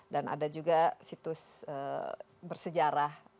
dan ada juga situs bersejarah